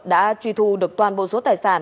đã truy thu được toàn bộ số tài sản